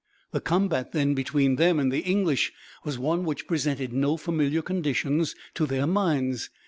The combat, then, between them and the English, was one which presented no familiar conditions to their minds.